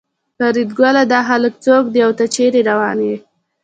فریدګله دا خلک څوک دي او ته چېرې روان یې